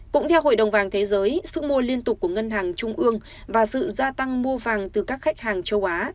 cũng theo hội đồng vàng thế giới sức mua liên tục của ngân hàng trung ương và sự gia tăng mua vàng từ các khách hàng châu á